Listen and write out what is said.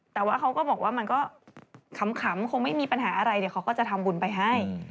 แต่ว่าเขาก็บอกว่ามันก็ขำคงไม่มีปัญหาอะไรเดี๋ยวเขาก็จะทำบุญไปให้